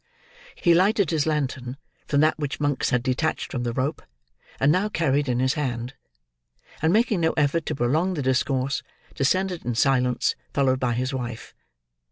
He lighted his lantern from that which Monks had detached from the rope, and now carried in his hand; and making no effort to prolong the discourse, descended in silence, followed by his wife.